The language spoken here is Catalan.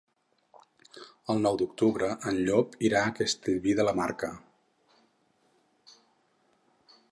El nou d'octubre en Llop irà a Castellví de la Marca.